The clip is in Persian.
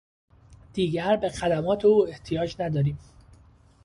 دیگر به خدمات او احتیاج نداریم.